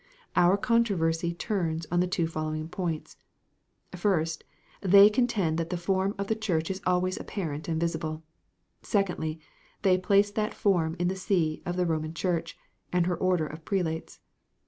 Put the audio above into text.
Our controversy turns on the two following points: first, they contend that the form of the Church is always apparent and visible; secondly, they place that form in the see of the Roman Church and her order of prelates.